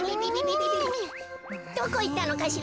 どこいったのかしらべ。